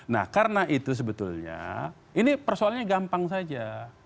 nah karena itu sebetulnya ini persoalannya gampang saja